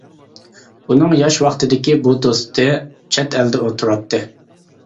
ئۇنىڭ ياش ۋاقتىدىكى بۇ دوستى چەت ئەلدە تۇراتتى.